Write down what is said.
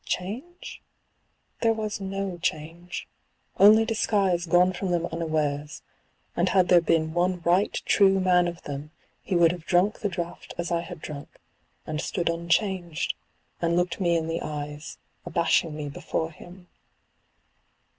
Change? there was no change; only disguise gone from them unawares: and had there been one right true man of them 22 CIRCE. he would have drunk the draught as I had drunk, and stood unchanged, and looked me in the eyes, abashing me before him.